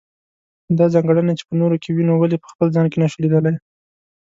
همدا ځانګړنې چې په نورو کې وينو ولې په خپل ځان کې نشو ليدلی.